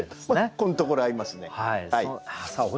このところ会いますね。